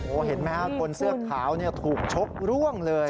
โอ้เห็นไหมครับคนเสื้อขาวเนี่ยถูกชกล่วงเลย